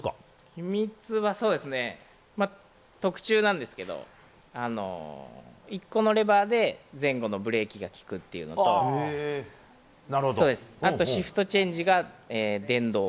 秘密は特注なんですけど、１個のレバーで前後のブレーキが利くっていうのと、シフトチェンジが電動。